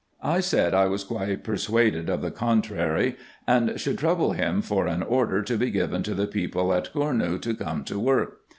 I said, I was quite persuaded of the contrary ; and should trouble him for an order to be given to the people at Gournou to come to work.